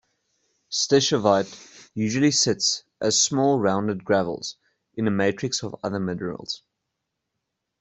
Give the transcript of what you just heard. Stishovite usually sits as small rounded gravels in a matrix of other minerals.